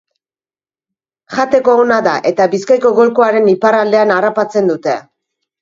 Jateko ona da eta Bizkaiko golkoaren iparraldean harrapatzen dute.